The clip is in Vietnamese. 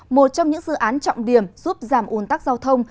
một trong những dự án trọng điểm giúp giảm ồn tắc giao thông